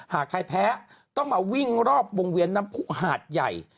หากใครแพ้ต้องมาวิ่งรอบวงเวียนน้ำผู้หาดใหญ่